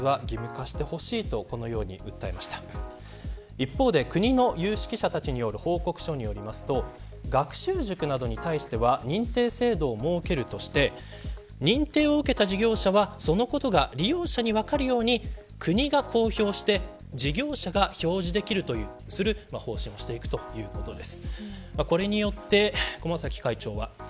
一方で国の有識者たちによる報告書によりますと学習塾などに対しては認定制度を設けるとして認定を受けた事業者はそのことが利用者に分かるように国が公表して事業者が表示できるという方針をしていくということです。